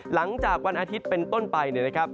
หลังจากวันอาทิตย์เป็นต้นไปเนี่ยนะครับ